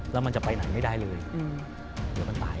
แล้วมันจะไปไหนไม่ได้เลยเดี๋ยวมันตาย